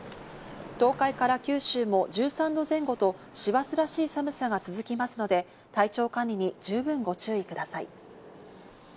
東海から九州も１３度前後と師走らしい寒さが続きますので、体調管理に十分ご注意ください。